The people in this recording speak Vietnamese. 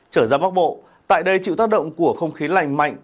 trở ra bắc bộ tại đây chịu tác động của không khí lành mạnh